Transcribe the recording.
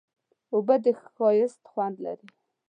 اوبه د ښایست خوند لري.